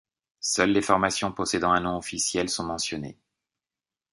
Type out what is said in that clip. Seules les formations possédant un nom officiel sont mentionnées.